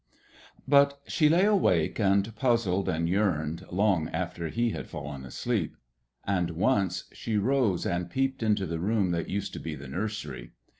But she lay awake and puzzled and yearned long after he had fallen asleep. And once she rose and peeped into the room that used to be the nursery.